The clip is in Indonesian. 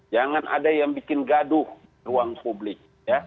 jangan ada yang bikin gaduh ruang publik